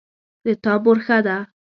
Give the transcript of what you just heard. د تا مور ښه ده